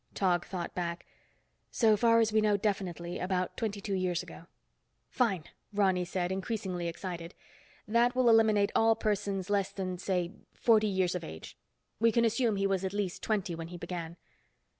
Tog thought back. "So far as we know definitely, about twenty two years ago." "Fine," Ronny said, increasingly excited. "That will eliminate all persons less than, say, forty years of age. We can assume he was at least twenty when he began."